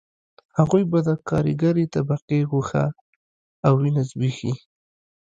هغوی به د کارګرې طبقې غوښه او وینه وزبېښي